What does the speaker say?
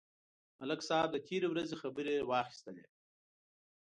ملک صاحب د تېرې ورځې خبرې واخیستلې.